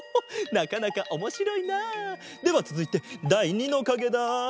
なかなかおもしろいな。ではつづいてだい２のかげだ。